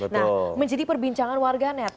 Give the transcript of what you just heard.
nah menjadi perbincangan warga net